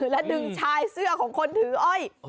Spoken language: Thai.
และดึงชายเสื้อของคนถืออ้อย